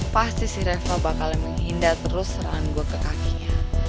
pasti si reva bakal menghindar terus serangan gue ke kakinya